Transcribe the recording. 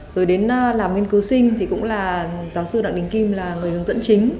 rồi đến làm nghiên cứu sinh thì cũng là giáo sư đặng đình kim là người hướng dẫn chính